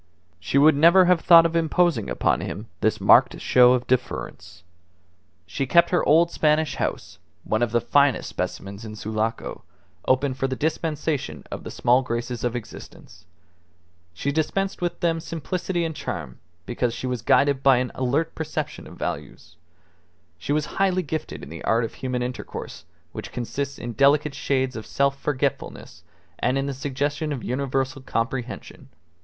She would never have thought of imposing upon him this marked show of deference. She kept her old Spanish house (one of the finest specimens in Sulaco) open for the dispensation of the small graces of existence. She dispensed them with simplicity and charm because she was guided by an alert perception of values. She was highly gifted in the art of human intercourse which consists in delicate shades of self forgetfulness and in the suggestion of universal comprehension.